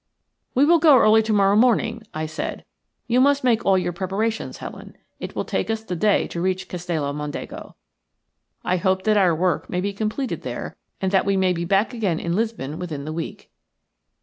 "We will go early to morrow morning," I said. "You must make all your preparations, Helen. It will take us the day to reach Castello Mondego. I hope that our work may be completed there, and that we may be back again in Lisbon within the week."